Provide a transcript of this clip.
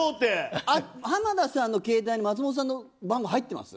浜田さんの携帯に松本さんの番号入ってます。